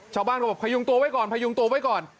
ชาวบ้านเขาบอกพยุงตัวไว้ก่อน